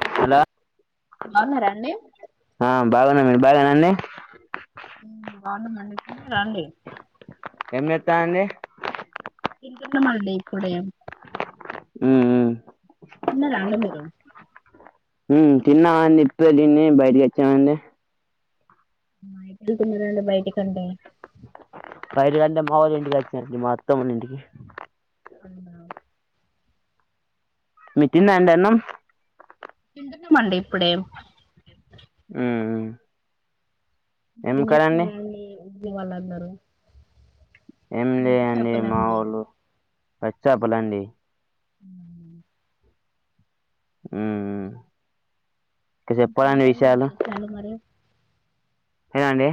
అండి హలో బాగున్న బాగున్నారా అండి ఆ బాగున్నా మీరు బాగేనా అండి హు బాగున్నామండి తిన్నారా అండి ఏం చేత్తాలండి తింటున్నామండీ ఇప్పుడే ఉహు హు తిన్నారా అండి మీరు తిన్నావా అండి ఇప్పుడే తిన్ని బయటకి వచ్చామండి ఎటు వెళ్తున్నారండి బయటికి అంటే పైరు అంటే మా వాళ్ళ ఇంటికి వచ్చినారండి మా అత్తమ్మని ఇంటికి అవు నా ఉడికిందా అండి అన్నం తింటున్నామండీ ఇప్పుడే ఉమ్ ఉమ్ ఏం కదండి చేస్తునారని వాళ్ళు అన్నారు ఎంలే అండి మావలు పచ్చా పలండి ఉ హు ఉ ఉ ఏంటండీ విశేషాలు మరి ఎదండడి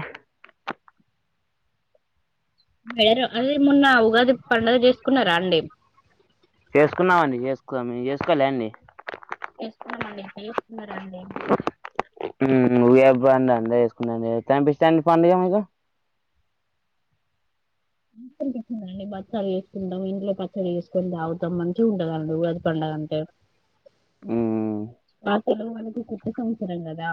వేరు అది మొన్న ఉగాది పడుగ చేసుకున్నారా అండి చేసుకున్నామండి చేసుకుం మీ చేసుకోలే అండి చేసుకున్నామండి ఎట్లా చేసుకున్నారండి ఊ పండగ అండి వేసుకున్నాండి కనిపిస్తాండి పండుగ మీకు భక్షాలు భక్షాలు చేసుకున్నాం ఇంట్లో పచ్చళ్ళు చేసుకొని తాగుతాం మంచిగా ఉంటండి ఉగాది పండగ అంటే ఉమ్ ఉగాది అంటే కొత్త సంవత్సరం కదా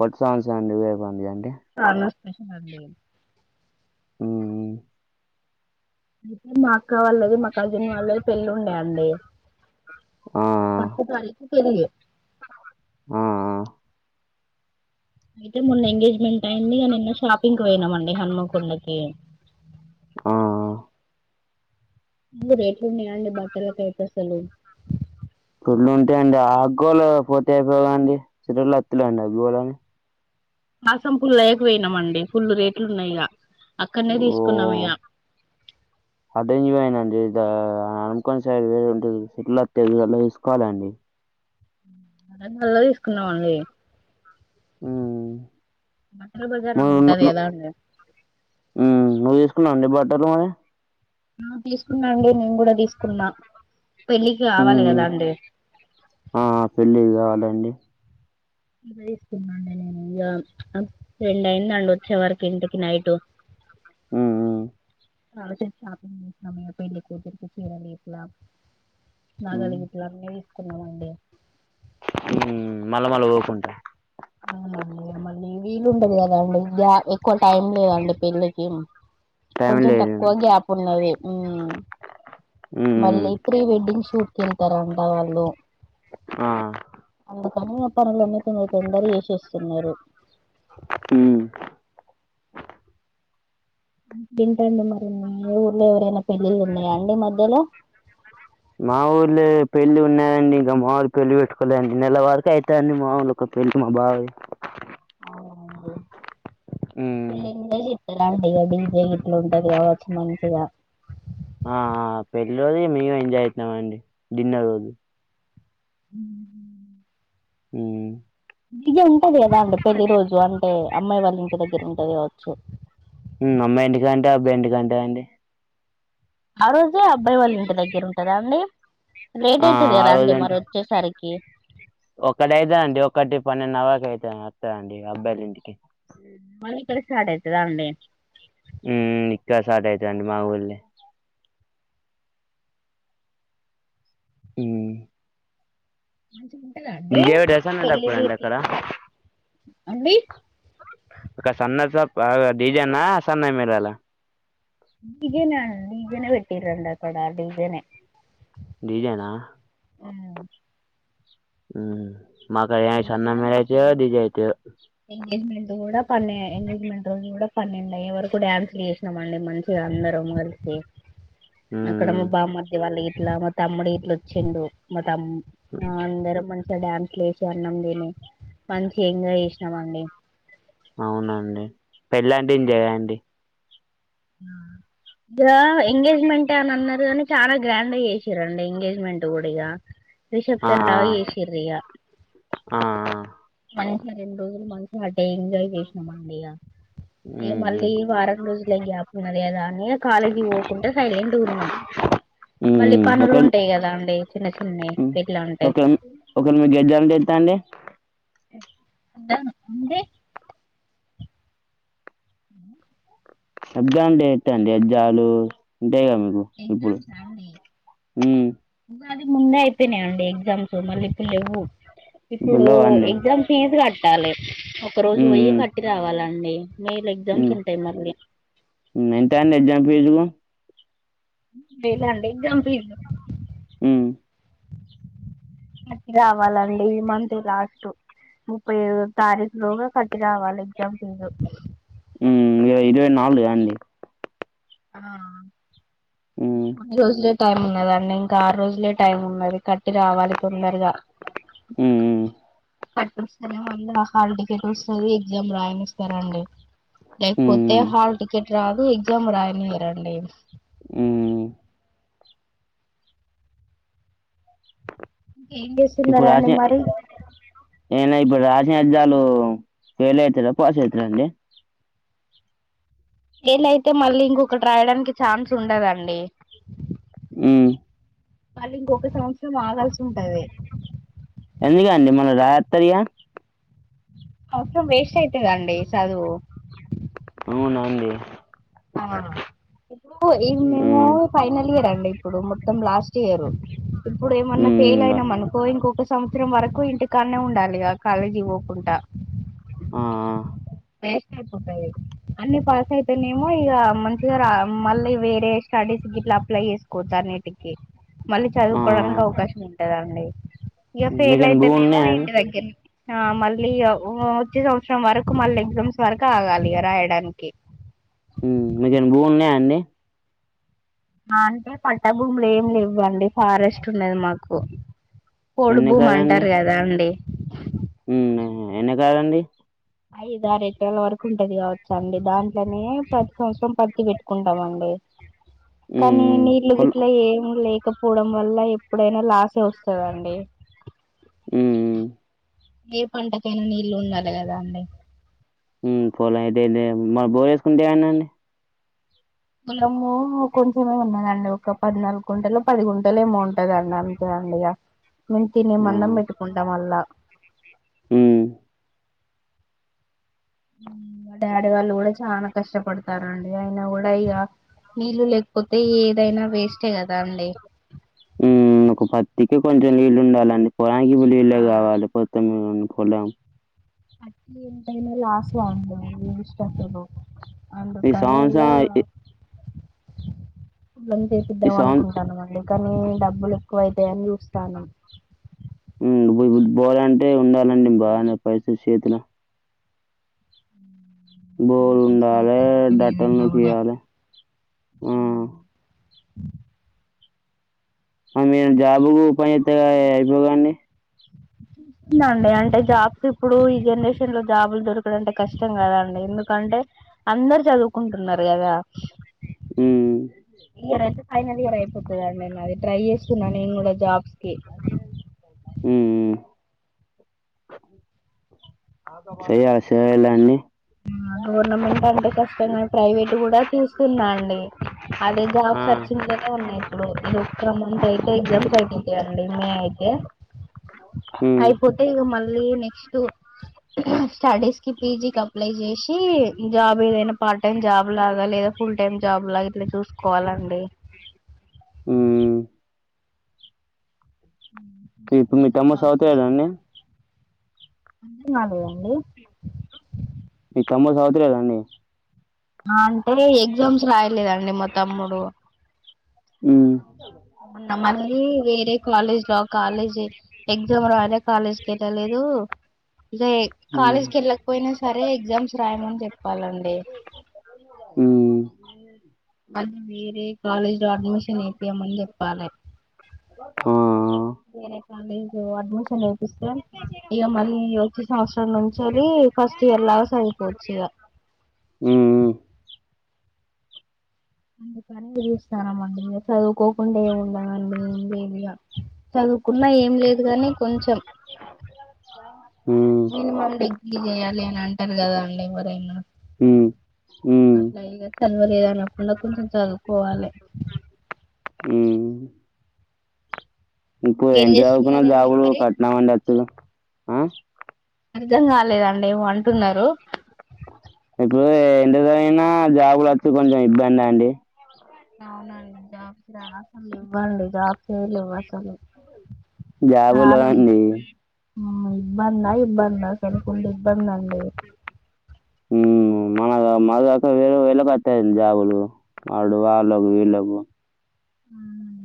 కొత్త సంవత్సరం ఉగాది పండుగ అంటే చాలా స్పెషల్ అండి ఉ అయితే మా అక్క వాళ్ళది మా కల్జన్ వాళ్ళది పెళ్ళి ఉండేయండి ఆ ఫస్ట్ తారీకు పెళ్లి ఆ ఆ అయితే మొన్న ఎంగేజ్మెంట్ అయింది కాని మొన్న షాపింగ్ పోయినామండి హన్మకొండకి ఆ ఆ ఫుల్లు రేట్లు ఉన్నాయండి బట్టలకు అసలు పడ్లు ఉంటాయిండి ఆగ్గోలు పోతే అయిపోవండి చిరలు అత్తులేండి ఆగ్గోళని మాసం పుల్లు లేయకపోయినామండి పుల్లు రేట్లు ఉన్నాయిగా అక్కడనే ఓ తీసుకున్నాను గా అనుముకొని సైడ్ వేంట సిట్లు తెలా తీసుకోవాలండి వరంగల్ తీసుకున్నామండి ఉమ్. బట ల బజారు నువ్వు ఉంటది కదండీ తీసుకున్నారా బట్టలండి నా తీసుకున్నా అండి నేను కూడా తీసుకున్నా పెళ్ళికి కావాలి కదా అండి ఆ పెళ్ళి కావాలండి తీసున్నాండి నేను రెండు అయిందండి వచ్చే వరకు ఇంటికి నైటు ఉ ఉ చాల సేపు షాపింగ్ చేసినాం కూతురుకి చీరలు తీసుకున్నాం ఉమ్. నగలు గిట్ట అన్ని తీసుకున్న మండి కిటికీ సౌండ్ మళ్ళీ వీలుండదు కదండి ఎక్కువ టైం లేదండి పెళ్ళికి టైం కొంచెం లేదు తక్కువ గ్యాప్ ఉన్నది ఉమ్, మళ్ళీ ప్రీ వెడ్డింగ్ షూట్ కి వెళ్తారా అంట వాళ్ళు ఆ పనులునే తొందరగా ఏ చేేస్తున్నారు ఉ వింటండి మరి ఊర్లో ఎవరైనా పెళ్ళి లూ ఉన్నాయాండి మరి మావోల్లె పెళ్లి ఉన్నాయంండి ఇంకా మామలు పెళ్లి పెట్టుకోలేండి నెల వరకు అవుతా అండి మాముూలు ఒక పెళ్లి మా బావది ఆ ఉండు హ్మ్. గట్ అండి డీజే గిట్ల ఉంటది కావచ్చు మంచిగా ఆ ఆ పెళ్లి రోజు మేము ఎంజాయ్ అవుతున్నామండి డిన్నర్ రోజు ఉ ఉ ఈ గ ఉంటది కదా అండి పెళ్లి రోజు అంటే అమ్మాయి వాళ్ళ ఇంటి దగ్గర ఉంటది కావచ్చు అమ్మాయి ఇంటికాంట అబ్బాయియింటికాంటండీ ఆ రోజే అబ్బాయి వాళ్ళ ఇంటి దగ్గర ఉంటదా అండి లేట్ ఆ! అవుతుది కదా అండి మరి వచ్చేసరికి ఈ ఒకక్కడ అవుద అండి ఒకటి పన్నెండు అవక అవుతు వస్తాండి అబ్బాయిల ఇంటికి మళ్ళీ ఇక్కడ స్టార్ట్ అవుతే దాండి హ్మ్ ఇక్క స్టార్ట్ అవుతుండి మా ఊళ్ర్ళ హ్మ్ మంచిగా ఉంటదండి డీజే పెడతారా సన్నడప్పుడండి పెళ్లికి అక్కడ? అండి ఒక సన్నస డీజన్న సన్నాయి మీరాల ఈగేనే అడి డీజేనే పెట్టటిరం అక్కడ డీజేనే డీజేనా ఆ హ్మ్మ్ మొన్న కూడా మనష అయితయో. ఎంగేజ్మెంట్ కూడా పన్నె ఎంగేజ్మెంట్ రోజు కూడా పనిడ్యూయయేవరకు వరకు డ్యాన్సులు వేసినమండీ మంచిగా అందరం కలిసి అక్కడ హ్మ్. మా బామ్మదివాలా వాళ్ళ ఇట్లా మ తమ్ముడు గట్ల వచ్చిండు మ తం అందరు మంచిగా డ్యాన్స్ జ అన్నందిని మంచి ఎంజాయ్ చేసినామండి ఔనండి పెళ్లంటే జెయ్యండి ఇగ ఎంగేజ్మెంటె అని అన్నారు గాని చాలా గ్రాండ్ గా చేసిరండి ఎంగేజ్మెంట్ కూడిగా ఆ! రిసెప్షన్ ఆ! లాగా చేేసిర్రిగ ఆ! ఆ! మనుషి రెండు రోజులు మనుషి అంటే ఎంజాయ్ జేసినామండిగ ఇగ హ్మ్. మళ్ళీ హ్మ్. వారం రోజులే గ్యాపున్నది కదా అని కాలేజీ పోకుండ సైలెంటుగున్నాం మళ్ళీ హ్మ్ ఒకల్ పనులుంటాయి కదా అండి చిన్న చిన్నవి పెళ్ళ అంటే మీ గడ్జాలంటే ఎంత అండి ధను ఉండే సజ్జా అంటే ఎంత అండి అజ్జాలు డేగ మీకు ఇప్పుడు ఎగ్జామ్స్ మ్మ్ అది ముందే అయిపోయినాయండి ఎగ్జామ్స్ మళ్ళీ ఇప్పుడు ఇవ్వు ఇప్పుడు లేవా అండి ఎగ్జామ్స్ చేసి కట్ కట్టాలి ఒక రోజు హ్మ్ పోయి హ్మ్ కట్టి రావాలండి మే లో ఎగ్జామ్స్ ఉంటాయి మళ్ళీ ఎంతండి ఎక్సమ్ ఫీజు ముప్పై వేలండి ఎక్సమ్ ఫీజు హమ్మ్ గవాలండి ఈ మంత్స్ లాస్ట్ ముప్పై ఐద తారీఖు లోగా కట్టి రావాలి ఎగ్జామ్ ఫీజు ఉ ఇ ఇరవై నాలుగు అండి ఇంకా హ్మ్ కొన్ని రోజులు టైం ఉన్నదండి ఇంకా ఆరు రోజులు లే టైం ఉన్నది కట్టి రావాలి తొందరగా హ్మ్ కట్టి వస్తె నేమో మళ్ళ హాల్ టికెట్ వస్తుంది ఎగ్జామ్ రాయనిస్తా రండి లేకపోతే హ్మ్ హాల్ టికెట్ రాదు ఎగ్జామ్ రాయలే లేరండి హ్మ్ ఏం చేస్తున్నారండి మరి నేను ఇప్పుడు రాసిన ఎగ్జామ్స్ ఫెయిల్ అయితానా పాస్ అవుతానండి ఫెయిల్ అయితే మళ్ళీ ఇంకొకటి రాయడానికి ఛాన్స్ ఉండదండి ఉమ్ మళ్ళీ ఒక సంవత్సరం ఆగాల్సి ఉంటాది ఎందుకండి మల్లా రాత్రయగా ఫస్ట్ వేస్ట్ అయితాది కదండి చదువు అవునవునులేండి ఆ ఇప్పుడు మేము హ్మ్ ఫైనల్ ఇయర్ అండి ఇప్పుడు మొత్తం లాస్ట్ చేయరు ఇప్పుడు ఏమన్నా ఫెయిల్ హ్మ్ అయినాం అనుకో ఇంకొక సంవత్సరం వరకు ఇంటికానే ఉండాలిగా కాలేజీ కి పోకుండా ఆ వేస్ట్ అయిపోతాయి అన్ని పాస్ అయితేనేమో ఇక మంచిగా రా మళ్ళీ వేరే స్టడీస్ ఇట్లా అప్లై చేసుకోవచ్చు అన్నిటికి మళ్ళీ చదువుకోవడానికి ఆ అవకాశం ఉంటదండి. ఇక ఫెయిల్ మీకేమన్న భూములు అయితేనేమో ఉన్నాయా అండి ఇంటి దగ్గరె ఆ మళ్ళీ వచ్చే సంవత్సరం వరకు మళ్ళీ [unintelligible] ఆగాలి ఇగ రాయడానికి మీకేమన్న భూములు ఉన్నాయా అండి అంటే పట్టాభూములు ఏమి లేవ్వండి ఫారెస్ట్ ఉందండి మాకు పోడు భూమి అంటారు కదా అండి మ్మ్ ఎన్ని కాలండి ఐదు, ఆరు ఎకరాల వరకు ఉంటది కావచ్చ అండి దాంట్లోనే ప్రతి సంవత్సరం ప తీ పెట్టుకుంటామండి ఉమ్, కానీ ఉమ్, నీళ్లు పొల్ గిట్ల ఏం లే పోవడం వల్ల ఎప్పుడైనా లాసే వస్తదండి ఉమ్, ఉమ్, ఏ పంటకైనా నీళ్ళు ఉండాలి కదా అండి మ్మ్ పోల అయితే [unintelligible] మన బోర్ వేసుకుంటే ఏమైందండీ పొలము కొంచెమే ఉన్నదండి ఒక పద్నాలుగు గుంటలు పది గుంటలు ఏమో ఉంటందండి అంతే [unintelligible] మేము తిని మందం పెట్టుకుంటాం అల్లా డాడీ వాళ్ళు కూడా చాలా కష్టపడతారండి అయిన కూడా ఇగ నీళ్లు లేకపోతే ఏదైనా వేస్టే కదా అండి మ్మ్ ఒక పది [unintelligible] కొంచెం నీళ్ళు ఉండాలండి పొలానికి నీళ్లే ఆ కావాలి పొత్తం పొలం ఎంతైనా లాసే అండి నీళ్లు లేని ఈ సంవత్సరం అందుకనిగా ఈ [unintelligible] ఈ ఏపిద్దాం సంవత్సరం అనుకుంటాను అండి కానీ డబ్బులు ఎక్కువ అవుతాయని చూస్తానం బోర్ అంటే ఉండాలండి బాగానే పైసలు చేతిలో బోరూ పైసలు ఉండాలి అయితయో లేదో [unintelligible] అన్నా వేపియాలి మ్మ్ కూడా మీరు జాబుకు ఉపాయం చెప్తే అయిపోవు కదండీ [unintelligible] అంటే జాబ్స్ ఇప్పుడు జనరేషన్ లో జాబులు దొరకడంటే కష్టం కదండి ఎందుకంటే అందరు చదువు టున్నారు కదా, ఉమ్. ఇయర్ అయితే సెకండియర్ అయిపోతుందిండి నాది ట్రై చేస్తున్న నేను కూడా జాబ్స్ కి మ్మ్ చేయాలి చేయాలండి గవర్నమెంట్ అంటే కష్టంగాని ప్రైవేట్ కూడా చూస్తున్నా అండి అదే జాబ్ ఆ సెర్చింగ్ లోనే ఉన్నా ఇప్పుడు ఇది ఒక్క మంత్ అయితే ఎగ్జామ్స్ అయిపోంది [unintelligible] మే అయితే హ్మ్. అయిపోతే ఇక మళ్ళీ నెక్స్ట్ స్టడీస్ కి పీజీ కి చేసి జాబ్ ఏదైనా పార్ట్ టైమ్ జాబ్ లాగా లేదా ఫుల్ టైమ్ జాబ్ లాగా ఇట్లా చూసుకోవాలండి మ్మ్ ఇప్పుడు మీ తమ్ముడు జాబ్ చదువుతలేడా అండి చూసుకోవాలి [unintelligible] మీ తమ్ముడు చదువుత లేదా అండి అంటే ఎగ్జామ్స్ రాయలేదండి మా తమ్ముడు మ్మ్ [unintelligible] వేరే కాలేజ్ లో కాలేజ్ ఎక్జామ్ రాయలే కాలేజ్ కి వెళ్ళలేదు ఇగా ఏ కాలేజ్ హ్మ్. కు వెళ్ళకపోయినా సరే ఎగ్జామ్స్ రాయమని చెప్ ప్పలండి హు మ్ అది వేరే కాలేజ్ లో అడ్మిషన్ వేపియమని చెప్పాలే ఆ వేరే కాలేజ్ అడ్మిషన్ చేపిస్తే ఇగా మళ్ళీ వచ్చే సంవత్సరం నుంచెలి ప ఫస్ట్ ఇయర్ లాగ చదువుకోవచ్చు ఇగ మ్ హు అన్ని ప్లానింగ్ చేస్తానమండి ఇగా చదువుకోకుండా ఎం ఉం [inaudible] చదువుకున్నా ఏం లేదు కానీ కొంచెం హ్మ్. మినిమం డిగ్రీ చేయాలి అని అంటారు కదా అండి ఎవరైనా హు అట్లా ఇగ చదవలేదు అనకుండా కొంచెం చదువుకోవాలి [inaudible] ఇప్పుడు ఏం ఎంత చదువుకున్న చేస్తున్నారండి జాబులు మరి కష్టమండి వచ్చుడు ఆ అర్ధం కాలేదండి ఏమో అంటున్నారు ఇప్పుడు ఎంతచదివినా జాబులు వచ్చుడు కొంచెం ఇబ్బందే అండి అవునండి జాబ్ అసలు ఇవ్వండి జాబ్ చేయలేవు అసలు జబుల్ లెవ్వండి ఆ ఇబ్బంద ఇబ్బంద అసలకు ఫుల్ ఇబ్బంది అండి హ్మ్. మన మగకా వరు వెళ్ళకు వస్తాయండి జాబలు వాడు వాళ్ళకు వీళ్ళలకు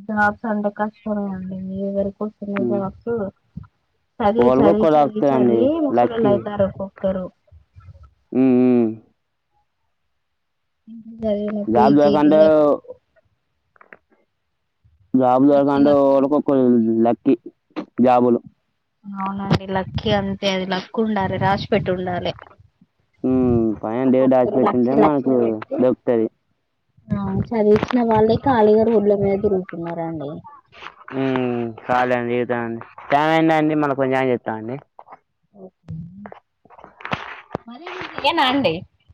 జాబ్స్ అంటే కష్టమే అండి మీరు ఎవరికి వస్తున్నయ్ హ్మ్. జాబ్స్ చదివి చదివి కోలుకొక్క చదివి తాకుతుందండి చదివి లక్కీ ముసళ్ళోలైతళ్ళు ఒకొక్కరు ఇంత చదివిన జబ్ జాబ్స్ పీజీలు అంటే లక్ జాబులు లక్ష జాబులు అంటే లక్ష ఎవలకో ఒక్కలకు లక్కకి జాబులు అవునండి లక్కీ అంతే అది లక్ ఉండాలే రాసి పెట్టి ఉండాలే ఉమ్, పైన దేవుడు ఒకొక్కలు దాచిపెట్టింటే లక్షలు మనకు లక్షలు పెట్టి దొరుకుతుంది ఆ చదివిచ్ న్న వాళ్ళే ఖాళీగారు రోడ్ల మీద దిరుగుతున్నారండి హు కాలిగానే తిరుగుతాళ్లు టైమయిండండి మళ్ళ కొంచెం అయినంకా చెత్త అండి మళ్ళి నిను చెయ్యన అండి